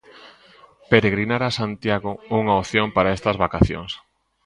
Peregrinar a Santiago, unha opción para estas vacacións.